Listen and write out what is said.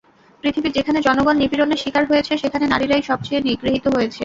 পৃথিবীর যেখানে জনগণ নিপীড়নের শিকার হয়েছে, সেখানে নারীরাই সবচেয়ে নিগৃহীত হয়েছে।